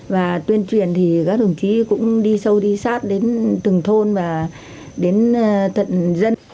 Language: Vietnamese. và tuyên truyền thì các thùng chí cũng đi sâu đi sát đến từng thôn và đến thận dân